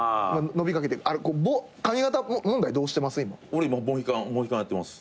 俺今モヒカンやってます。